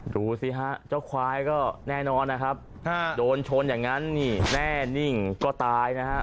ดูสิฮะเจ้าควายก็แน่นอนนะครับโดนชนอย่างนั้นนี่แน่นิ่งก็ตายนะฮะ